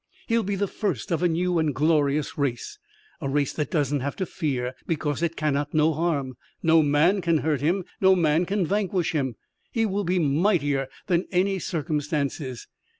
He'll be the first of a new and glorious race. A race that doesn't have to fear because it cannot know harm. No man can hurt him, no man can vanquish him. He will be mightier than any circumstances.